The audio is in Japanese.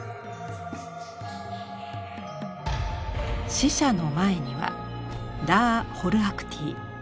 死者の前にはラー・ホルアクティ。